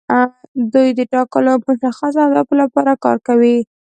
دوی د ټاکلو او مشخصو اهدافو لپاره کار کوي.